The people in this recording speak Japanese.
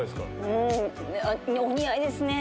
お似合いですね。